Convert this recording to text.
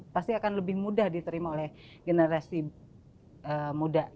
pasti akan lebih mudah diterima oleh generasi muda